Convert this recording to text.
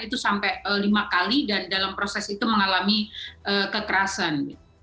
itu sampai lima kali dan dalam proses itu mengalami kekerasan